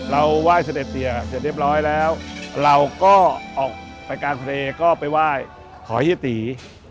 ไหว้เสด็จเสียเสร็จเรียบร้อยแล้วเราก็ออกไปกลางทะเลก็ไปไหว้ขอเฮียตี